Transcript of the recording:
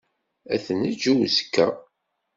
Ad t-neǧǧ i uzekka.